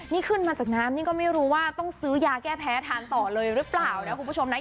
นี่ขึ้นมาจากน้ำนี่ก็ไม่รู้ว่าต้องซื้อยาแก้แพ้ทานต่อเลยหรือเปล่านะคุณผู้ชมนะ